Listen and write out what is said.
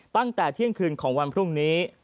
ตั้งแต่เที่ยงคืนของวันพรุ่งนี้